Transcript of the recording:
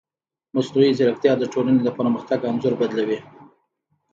مصنوعي ځیرکتیا د ټولنې د پرمختګ انځور بدلوي.